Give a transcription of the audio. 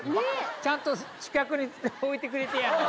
ちゃんと近くに置いてくれてやんの。